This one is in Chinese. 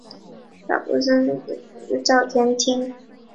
寺岛实郎出生于日本北海道雨龙郡沼田町。